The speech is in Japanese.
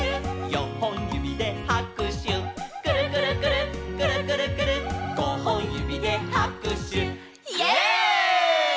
「よんほんゆびではくしゅ」「くるくるくるっくるくるくるっ」「ごほんゆびではくしゅ」イエイ！